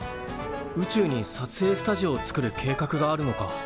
宇宙にさつえいスタジオを作る計画があるのか。